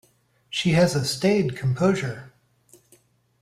She has a staid composure.